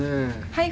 はい。